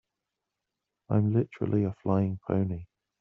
I'm literally a flying pony.